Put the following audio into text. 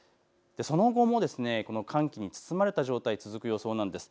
その後も寒気に包まれた状況が続く予想です。